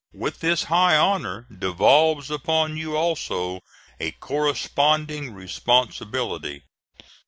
With this high honor, devolves upon you, also, a corresponding responsibility.